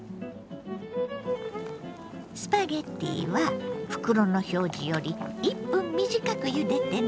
スパゲッティは袋の表示より１分短くゆでてね。